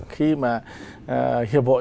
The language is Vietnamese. khi mà hiệp hội